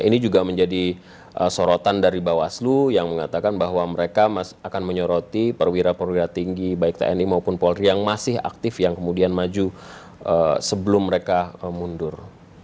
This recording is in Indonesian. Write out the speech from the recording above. ini juga menjadi sorotan dari bawaslu yang mengatakan bahwa mereka akan menyoroti perwira perwira tinggi baik tni maupun polri yang masih aktif yang kemudian maju sebelum mereka mundur